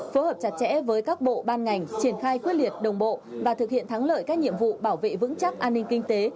phối hợp chặt chẽ với các bộ ban ngành triển khai quyết liệt đồng bộ và thực hiện thắng lợi các nhiệm vụ bảo vệ vững chắc an ninh kinh tế